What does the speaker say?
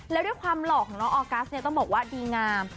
แล้วด้วยความหล่อของน้องออกัสเนี่ยต้องบอกว่าดีงาม